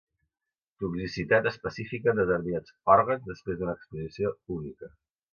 Toxicitat específica en determinats òrgans després d'una exposició única.